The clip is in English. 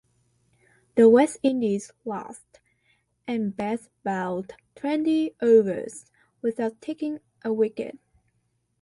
The West Indies lost and Best bowled twenty overs without taking a wicket.